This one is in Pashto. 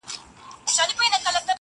څوک چې ملګری د ماښام وي نو هوښیار به وي